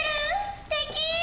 すてき。